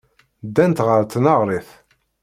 Ddant ɣer tneɣrit.